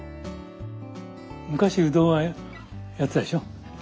昔うどんはやってたでしょ。